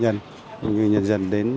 cho người dân